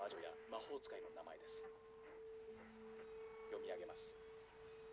読み上げます